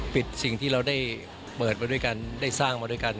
สิ่งที่เราได้เปิดมาด้วยกันได้สร้างมาด้วยกัน